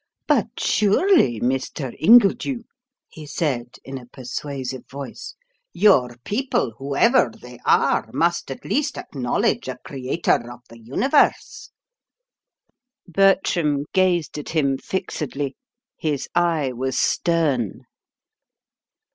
"But surely, Mr. Ingledew," he said in a persuasive voice, "your people, whoever they are, must at least acknowledge a creator of the universe." Bertram gazed at him fixedly. His eye was stern.